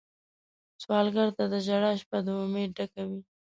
سوالګر ته د ژړا شپه له امید ډکه وي